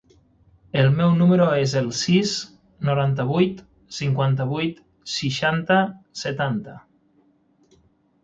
El meu número es el sis, noranta-vuit, cinquanta-vuit, seixanta, setanta.